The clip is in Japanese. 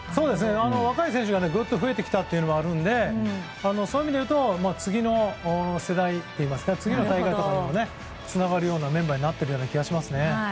若い選手が増えてきたというのがあるのでそういう意味でいうと次の世代といいますかつながるようなメンバーになっている気がしますね。